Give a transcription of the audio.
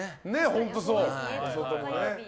本当そう。